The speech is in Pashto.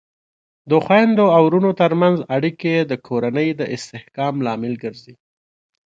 د خویندو او ورونو ترمنځ اړیکې د کورنۍ د استحکام لامل ګرځي.